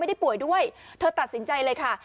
ป่วยด้วยเธอตัดสินใจเลยค่ะ